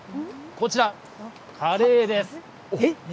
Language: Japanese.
こちら、カレーです。